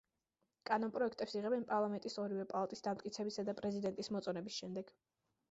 კანონპროექტებს იღებენ პარლამენტის ორივე პალატის დამტკიცებისა და პრეზიდენტის მოწონების შემდეგ.